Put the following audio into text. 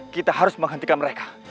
kita harus menghentikan mereka